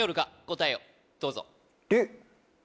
答えをどうぞ